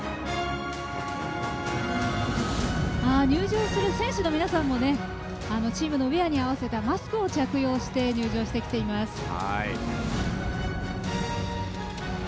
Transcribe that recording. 入場する選手の皆さんもチームのウェアに合わせたマスクを着用して入場してきています。